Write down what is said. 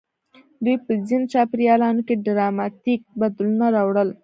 دوی په ځینو چاپېریالونو کې ډراماتیک بدلونونه راوړل.